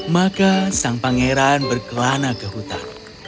maka sang pangeran berkelana ke hutan